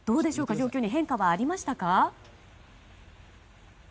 状況に変化はありましたか？